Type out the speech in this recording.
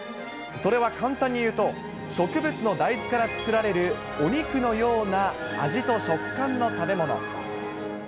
それは簡単に言うと、植物の大豆から作られるお肉のような味と食感の食べ物。